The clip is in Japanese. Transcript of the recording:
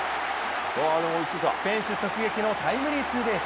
フェンス直撃のタイムリーツーベース。